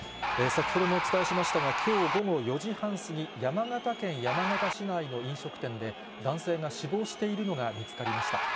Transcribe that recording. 先ほどもお伝えしましたが、きょう午後４時半過ぎ、山形県山形市内の飲食店で、男性が死亡しているのが見つかりました。